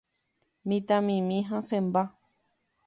Mitãmimi hasẽmba